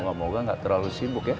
moga moga gak terlalu sibuk ya